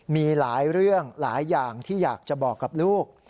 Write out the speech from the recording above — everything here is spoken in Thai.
มีหลายเรื่องหลายอย่างที่อยากจะบอกกับลูก